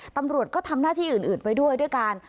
ตำรวจก็ทำหน้าที่อื่นไว้ด้วยด้วยกัน